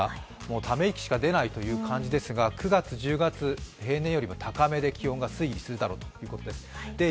ため息しか出ないという感じですが９月、１０月、平年よりも高めで気温が推移するだろうということです。